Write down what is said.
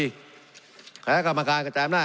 คุณแรกอายีแกรมการกันแสมแน่